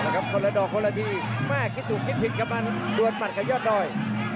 พี่ดำคนละดอกคนละดีมากคิดถูกคิดผิดกำลังรวดหมันกับยอดดอย